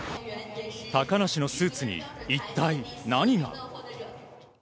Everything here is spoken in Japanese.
高梨のスーツに一体何が。